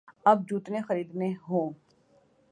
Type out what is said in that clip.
اب جوتے خریدنے ہوں۔